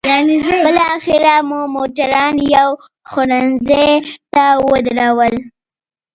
بالاخره مو موټران یو خوړنځای ته ودرول.